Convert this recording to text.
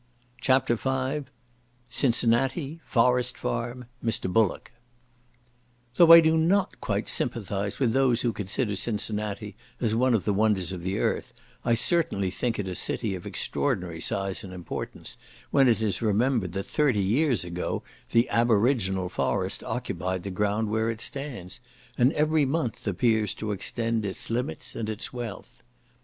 CHAPTER V Cincinnati—Forest Farm—Mr. Bullock Though I do not quite sympathise with those who consider Cincinnati as one of the wonders of the earth, I certainly think it a city of extraordinary size and importance, when it is remembered that thirty years ago the aboriginal forest occupied the ground where it stands; and every month appears to extend its limits and its wealth.